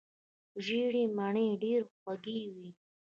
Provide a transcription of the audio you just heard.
ژیړې مڼې ډیرې خوږې وي.